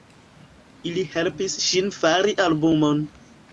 Ili helpis ŝin fari albumon.